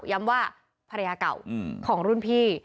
ย้ำว่าภรรยาเก่าของรุ่นพี่